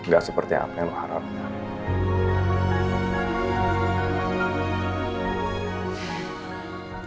gak seperti yang lu harapkan